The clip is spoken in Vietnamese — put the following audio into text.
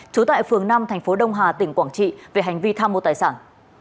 trú tại phường năm thành phố đông hà tỉnh quảng trị về hành vi tham mô tài sản